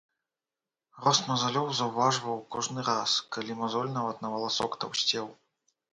Рост мазалёў заўважваў кожны раз, калі мазоль нават на валасок таўсцеў.